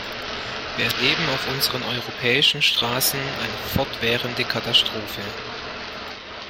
Wir erleben auf unseren europäischen Straßen eine fortwährende Katastrophe.